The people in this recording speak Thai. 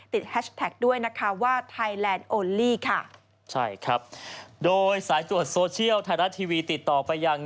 แฮชแท็กด้วยนะคะว่าไทยแลนด์โอลี่ค่ะใช่ครับโดยสายตรวจโซเชียลไทยรัฐทีวีติดต่อไปยัง